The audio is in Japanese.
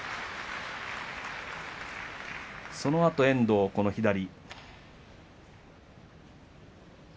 そのあと遠藤、左。